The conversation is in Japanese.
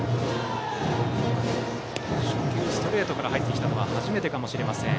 初球、ストレートから入ってきたのは初めてかもしれません。